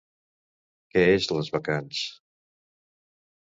Què és Les bacants?